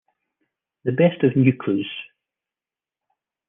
The Best Of Newcleus.